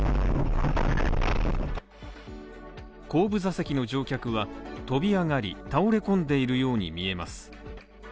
後部座席の乗客は飛び上がり、倒れ込んでいるように見えます。